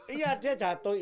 iya dia jatuh